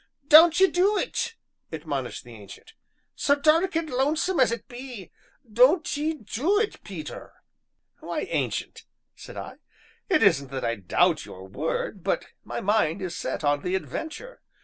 "Don't 'ee du it," admonished the Ancient, "so dark an' lonesome as it be, don't 'ee du it, Peter." "Why, Ancient," said I, "it isn't that I doubt your word, but my mind is set on the adventure.